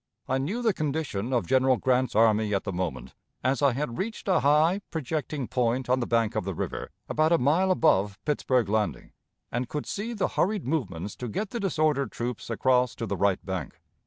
I knew the condition of General Grant's army at the moment, as I had reached a high, projecting point on the bank of the river, about a mile above Pittsburg Landing, and could see the hurried movements to get the disordered troops across to the right bank.